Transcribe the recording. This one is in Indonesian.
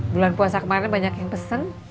bulan puasa kemarin banyak yang pesen